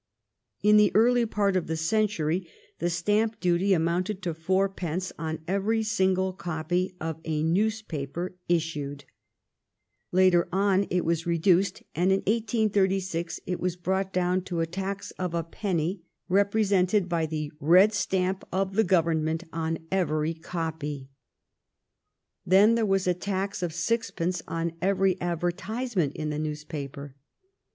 In the early part of the century the stamp duty amounted to four pence on every single copy of a newspaper issued. Later on it was reduced, and in 1836 it was brought down to a tax of a penny, represented THE REPEAL OF THE TAXES ON EDUCATION 221 by the red stamp of the Government on every copy. Then there was a tax of sixpence on every advertisement in the newspaper.